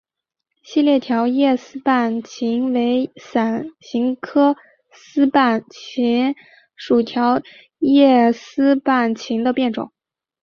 细裂条叶丝瓣芹为伞形科丝瓣芹属条叶丝瓣芹的变种。